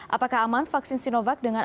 apakah aman vaksin sinovac dengan